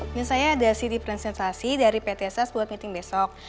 ini saya ada cd presentasi dari pt sas buat meeting besok